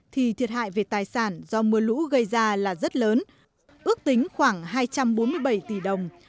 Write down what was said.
thì thiệt hại về tài sản do mưa lũ gây ra là rất lớn ước tính khoảng hai trăm bốn mươi bảy tỷ đồng